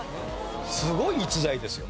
すごい逸材ですよ。